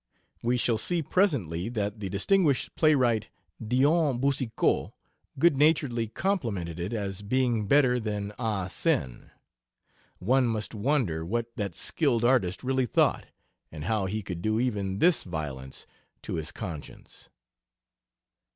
We shall see presently that the distinguished playwright, Dion Boucicault, good naturedly complimented it as being better than "Ahi Sin." One must wonder what that skilled artist really thought, and how he could do even this violence to his conscience.